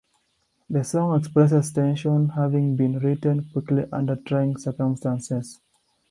The song expresses tension, having been written quickly under trying circumstances.